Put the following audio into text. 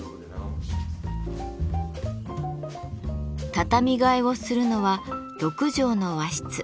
畳替えをするのは６畳の和室。